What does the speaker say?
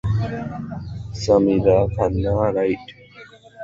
Samira Khanna, right?